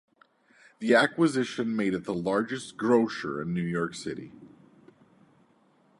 The acquisition made it the largest grocer in New York City.